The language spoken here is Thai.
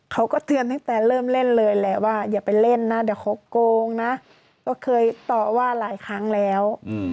เขาก็เตือนตั้งแต่เริ่มเล่นเลยแหละว่าอย่าไปเล่นนะเดี๋ยวเขาโกงนะก็เคยต่อว่าหลายครั้งแล้ว